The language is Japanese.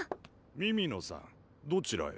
美々野さんどちらへ？